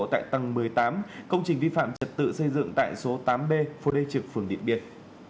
tại tầng một mươi tám công trình vi phạm trật tự xây dựng tại số tám b phố lê trực phường điện biên